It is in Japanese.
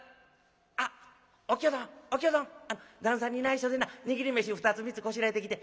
あっお清どんお清どん旦さんにないしょでな握り飯２つ３つこしらえてきて。